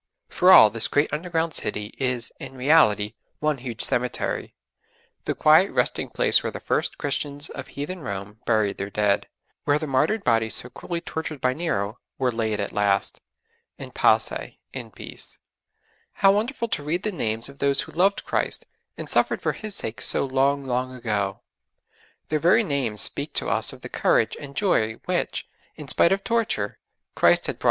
For all this great underground city is in reality one huge cemetery: the quiet resting place where the first Christians of heathen Rome buried their dead, where the martyred bodies so cruelly tortured by Nero were laid at last. In pace, in peace. How wonderful to read the names of those who loved Christ and suffered for His sake so long, long ago! Their very names speak to us of the courage and joy which, in spite of torture, Christ had brought into their lives.